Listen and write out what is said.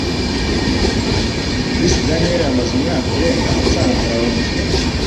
Chris Daniels amaze umwaka urenga acuranga croquet.